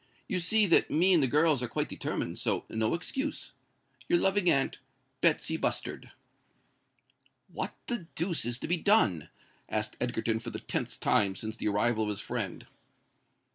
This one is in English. You see that me and the girls are quite determined; so no excuse. "Your loving aunt, "BETSY BUSTARD." "What the deuce is to be done?" asked Egerton for the tenth time since the arrival of his friend.